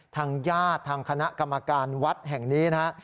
ทางญาติทางคณะกรรมการวัดแห่งนี้นะฮะ